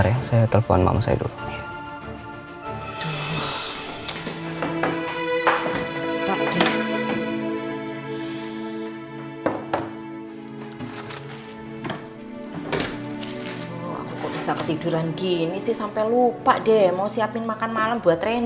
iya ma aku udah makan